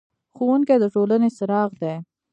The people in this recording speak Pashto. ښوونکی د ټولنې څراغ دی.